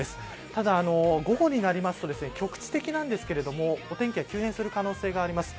ただ午後になると局地的なんですけどもお天気が急変する可能性があります。